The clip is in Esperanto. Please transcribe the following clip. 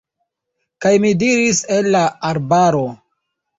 Kaj mi diris el la arbaro: